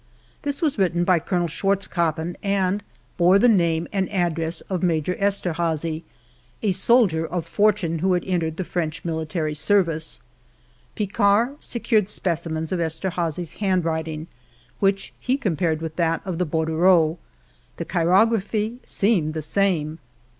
This was written by Colonel Schwarz koppen and bore the name and address of Major Esterhazy, a soldier of fortune, who had entered the French military service. Picquart secured specimens of Esterhazy's handwriting which he compared with that of the bordereau: the chi rography seemed the same.